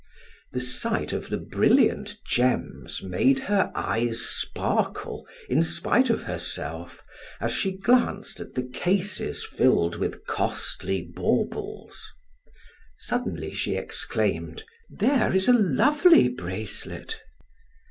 The sight of the brilliant gems made her eyes sparkle in spite of herself, as she glanced at the cases filled with costly baubles. Suddenly she exclaimed: "There is a lovely bracelet."